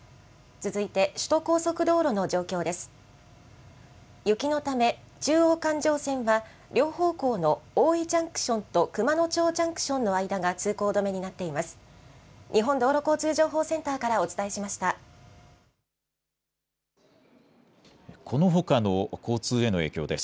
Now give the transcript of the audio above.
続いて首都高速道路の状況です。